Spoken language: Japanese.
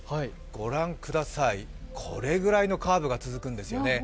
御覧ください、これぐらいのカーブが続くんですよね。